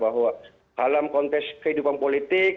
bahwa dalam konteks kehidupan politik